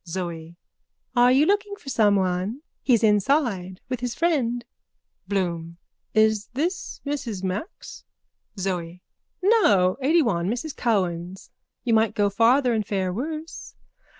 _ ZOE: Are you looking for someone? He's inside with his friend. BLOOM: Is this Mrs Mack's? ZOE: No, eightyone. Mrs Cohen's. You might go farther and fare worse.